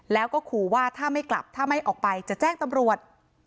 แล้วก็ขู่ว่าถ้าไม่กลับถ้าไม่ออกไปจะแจ้งตำรวจ